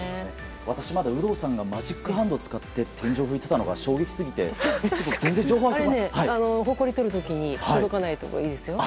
私、まだ有働さんがマジックハンドを使って天井を拭いていたのが衝撃過ぎてほこりを取るときに届かないところにいいですよ。